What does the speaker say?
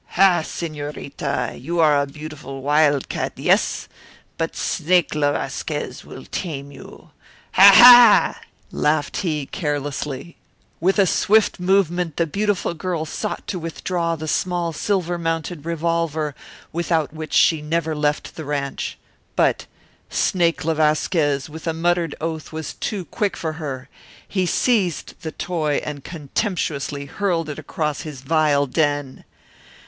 "Ha, senorita, you are a beautiful wildcat, yes? But Snake le Vasquez will tame you! Ha, ha!" laughed he carelessly. With a swift movement the beautiful girl sought to withdraw the small silver mounted revolver without which she never left the ranch. But Snake le Vasquez, with a muttered oath, was too quick for her. He seized the toy and contemptuously hurled it across his vile den.